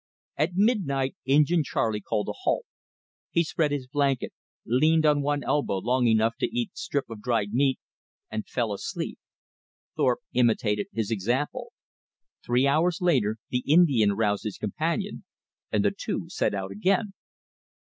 At midnight Injin Charley called a halt. He spread his blanket; leaned on one elbow long enough to eat strip of dried meat, and fell asleep. Thorpe imitated his example. Three hours later the Indian roused his companion, and the two set out again.